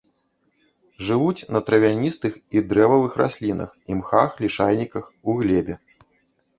Жывуць на травяністых і дрэвавых раслінах, імхах, лішайніках, у глебе.